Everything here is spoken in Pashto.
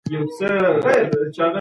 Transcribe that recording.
قدرتونو تر فشار لاندي دي.